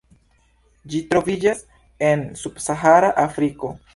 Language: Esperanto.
Ĝi troviĝas en subsahara Afriko.